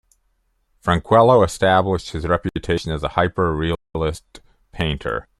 Franquelo established his reputation as a hyper-realist painter.